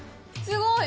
すごい！